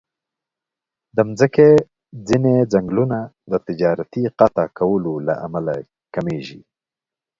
د مځکې ځینې ځنګلونه د تجارتي قطع کولو له امله کمېږي.